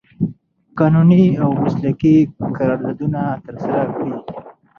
قانوني او مسلکي قراردادونه ترسره کړي